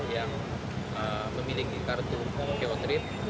yang memiliki kartu oko trip